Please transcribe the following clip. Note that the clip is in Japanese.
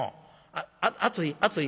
『熱い熱い』。